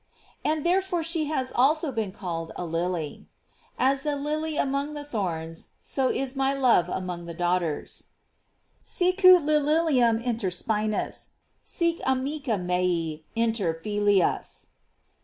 And therefore she has also been called a lily : As the lily among the thorns, so is my love among the daughters: "Sicut lilinm inter spinas, sic arnica mea inter filias."